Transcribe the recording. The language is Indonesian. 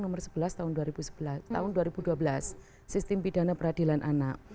nomor sebelas tahun dua ribu dua belas sistem pidana peradilan anak